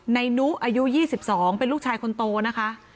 นุอายุ๒๒เป็นลูกชายคนโตนะคะ